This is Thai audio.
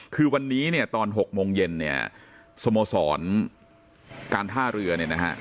คือวันนี้ตอน๖โมงเย็นสมโสรนการท่ารือ